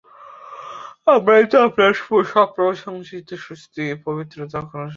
আমরাই তো আপনার সপ্রশংস স্তুতি ও পবিত্রতা ঘোষণা করি।